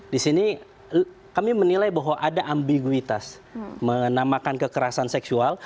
di sini kami menilai bahwa ada ambiguitas menamakan kekerasan seksual